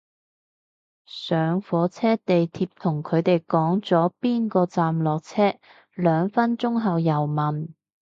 上火車地鐵同佢哋講咗邊個站落車，兩分鐘後又問